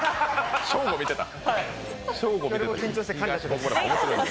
ショーゴ見てた。